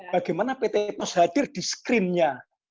bagaimana pt post hadir di screen nya